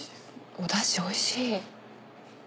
お出汁おいしい。